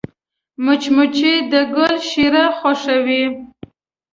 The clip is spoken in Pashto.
مچمچۍ د ګل شیره خوښوي